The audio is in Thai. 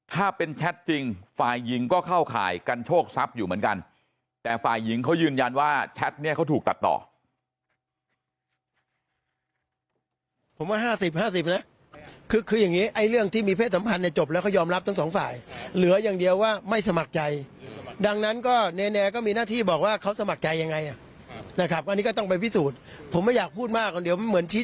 ถ้าเป็นแชทจริงฝ่ายหญิงก็เข้าข่ายกันโชคทรัพย์อยู่เหมือนกันแต่ฝ่ายหญิงเขายืนยันว่าแชทเนี่ยเขาถูกตัดต่อ